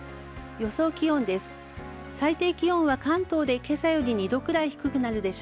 予想気温です。